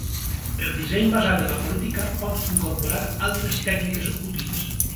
El disseny basat en la política pot incorporar altres tècniques útils.